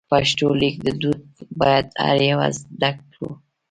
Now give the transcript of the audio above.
پښتو لیک دود باید هر یو زده کړو.